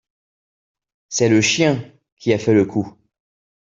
C'est le chien qui a fait le coup.